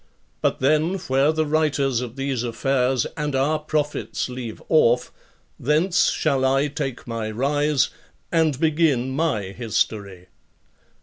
But then, where the writers of these affairs and our prophets leave off, thence shall I take my rise, and begin my history.